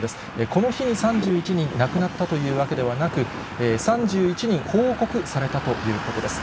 この日に３１人亡くなったというわけではなく、３１人報告されたということです。